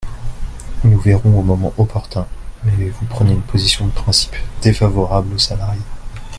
Nous verrons au moment opportun, mais vous prenez une position de principe défavorable aux salariés.